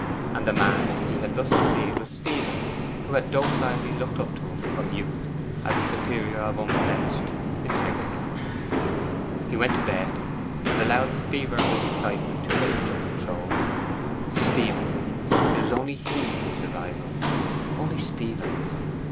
And the man he had thus deceived was Stephen, who had docilely looked up to him from youth as a superior of unblemished integrity. He went to bed, and allowed the fever of his excitement to rage uncontrolled. Stephen it was only he who was the rival only Stephen!